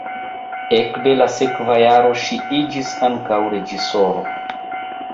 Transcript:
Ekde la sekva jaro ŝi iĝis ankaŭ reĝisoro.